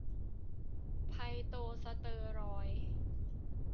ไพโตสเตอรอยด์